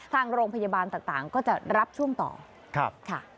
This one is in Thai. ทางโรงพยาบาลต่างก็จะรับช่วงต่อค่ะ